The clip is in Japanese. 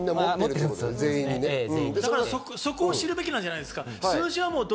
そこを知るべきなんじゃないですか。